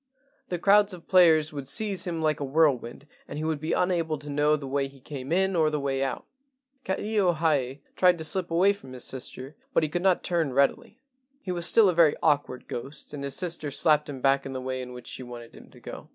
The crowds of players would seize him like a whirlwind and he would be un¬ able to know the way he came in or the way out. Ka ilio hae tried to slip away from his sister, but he could not turn readily. He was still a very awkward ghost, and his sister slapped him back in the way in which she wanted him to go.